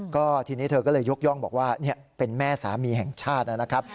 ก็ทีนี้เธอก็เลยยกย่องบอกว่าเป็นแม่สามีแห่งชาตินะครับ